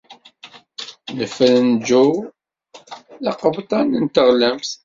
Nefren John d aqebṭan n teɣlamt.